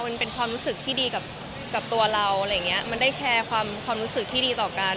มันเป็นความรู้สึกที่ดีกับตัวเรามันได้แชร์ความรู้สึกที่ดีต่อกัน